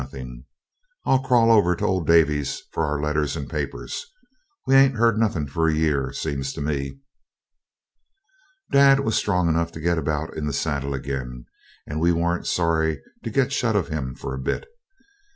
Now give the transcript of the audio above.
I'll crawl over to old Davy's for our letters and papers. We ain't heard nothing for a year, seems to me.' Dad was strong enough to get about in the saddle again, and we weren't sorry to get shut of him for a bit.